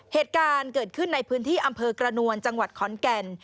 เหตุการณ์เกิดขึ้นในพื้นที่อำเภอกระนวลจังหวัดขอนแก่น